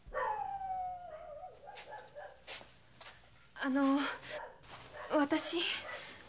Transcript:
あのゥ私。